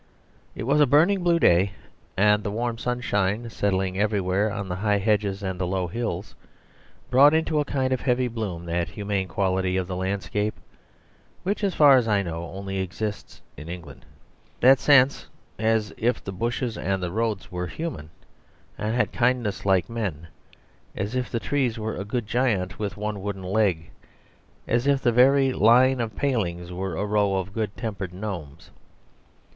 It was a burning blue day, and the warm sunshine, settling everywhere on the high hedges and the low hills, brought out into a kind of heavy bloom that HUMANE quality of the landscape which, as far as I know, only exists in England; that sense as if the bushes and the roads were human, and had kindness like men; as if the tree were a good giant with one wooden leg; as if the very line of palings were a row of good tempered gnomes.